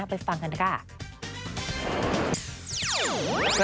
ไปฟังกันค่ะ